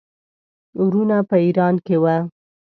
وروڼه په ایران کې وه.